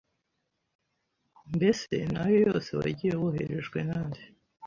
Mbese n’ayo yose wagiye woherejwe na nde